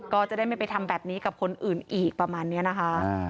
ก็จะได้ไม่ไปทำแบบนี้กับคนอื่นอีกประมาณนี้นะคะ